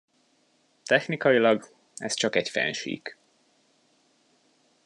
Technikailag, ez csak egy fennsík.